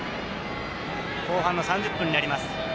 後半の３０分になります。